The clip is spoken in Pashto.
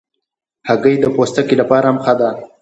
هګۍ د پوستکي لپاره هم ښه ده.